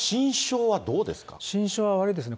心証は悪いですね。